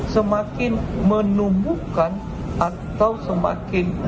semakin menumbuhkan atau semakin menurut saya